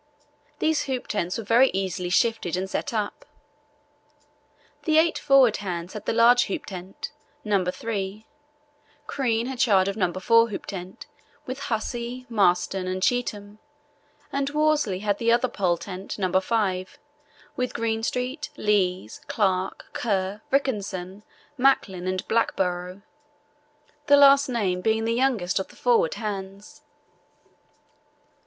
These hoop tents are very easily shifted and set up. The eight forward hands had the large hoop tent, No. 3; Crean had charge of No. 4 hoop tent with Hussey, Marston, and Cheetham; and Worsley had the other pole tent, No. 5, with Greenstreet, Lees, Clark, Kerr, Rickenson, Macklin, and Blackborrow, the last named being the youngest of the forward hands.